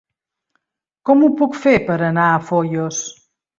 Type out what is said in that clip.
Com ho puc fer per anar a Foios?